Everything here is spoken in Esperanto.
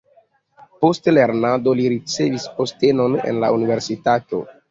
Post lernado li ricevis postenon en la universitato.